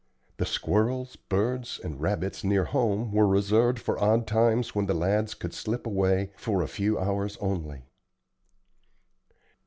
The squirrels, birds, and rabbits near home were reserved for odd times when the lads could slip away for a few hours only.